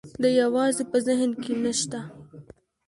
دا یوازې په ذهن کې نه شته.